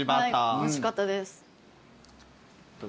おいしかったです。